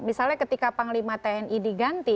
misalnya ketika panglima tni diganti